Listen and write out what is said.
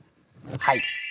はい。